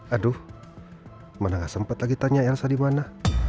aduh mana gak sempat lagi tanya elsa dimana